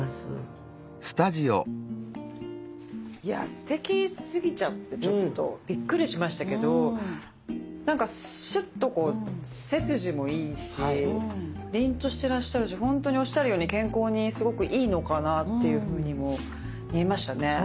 いやすてきすぎちゃってちょっとびっくりしましたけど何かシュッとこう背筋もいいし凛としてらっしゃるし本当におっしゃるように健康にすごくいいのかなっていうふうにも見えましたね。